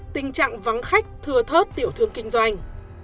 tình trạng vắng khách thưa thớt tiểu thương kinh doanh